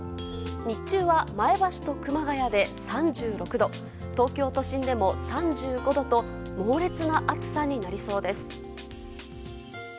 日中は前橋と熊谷で３６度東京都心でも３５度と猛烈な暑さになりそうです。